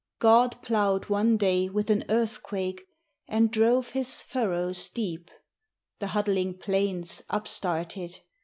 God ploughed one day with an earthquake, And drove his furrows deep! The huddling plains upstarted.